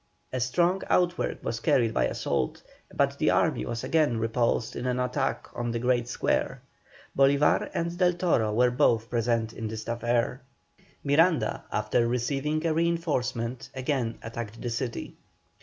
A strong outwork was carried by assault, but the army was again repulsed in an attack on the great square. Bolívar and Del Toro were both present in this affair. Miranda, after receiving a reinforcement, again attacked the city.